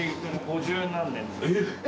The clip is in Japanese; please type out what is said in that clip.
えっ！